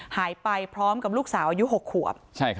หายไปพร้อมกับลูกสาวอายุ๖ขวบ